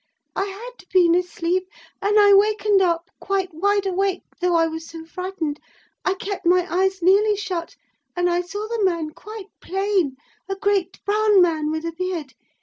I had been asleep,—and I awakened up quite wide awake though I was so frightened. I kept my eyes nearly shut, and I saw the man quite plain. A great brown man with a beard.